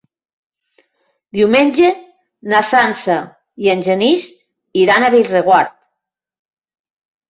Diumenge na Sança i en Genís iran a Bellreguard.